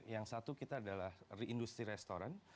yang satu kita adalah industri restoran